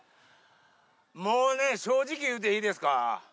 もうね、正直言うていいですか？